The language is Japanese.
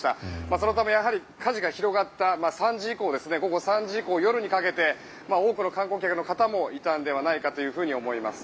そのため、やはり火事が広がった午後３時以降夜にかけて多くの観光客の方もいたのではないかと思います。